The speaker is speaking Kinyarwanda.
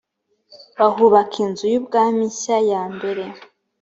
bahubaka inzu y’ubwami nshya ya mbere